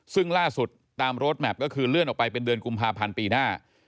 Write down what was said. ซึ่งล่าสุดตามโรดแมพก็คือเลื่อนออกไปเป็นเดือนกุมภาพันธ์ปีหน้า